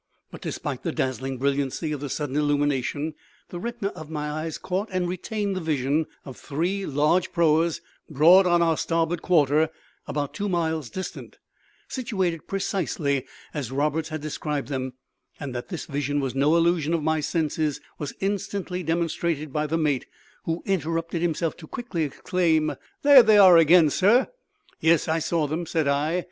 But, despite the dazzling brilliancy of the sudden illumination, the retina of my eyes caught and retained the vision of three large proas broad on our starboard quarter, about two miles distant, situated precisely as Roberts had described them; and that this vision was no illusion of my senses was instantly demonstrated by the mate, who interrupted himself to quickly exclaim "There they are again, sir." "Yes, I saw them," said I.